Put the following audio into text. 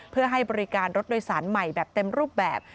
เพื่อให้บริการรถโดยสารใหม่แบบเต็มรูปแบบ